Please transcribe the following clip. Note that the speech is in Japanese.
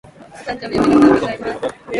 お誕生日おめでとうございます。